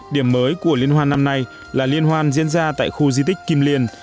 điểm mới của liên hoan năm nay là liên hoan diễn ra tại khu di tích kim liên